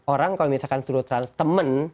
orang kalau misalkan temen